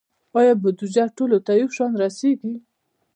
آیا بودیجه ټولو ته یو شان رسیږي؟